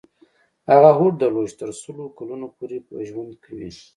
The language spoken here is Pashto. هغه هوډ درلود چې تر سلو کلونو پورې به ژوند کوي.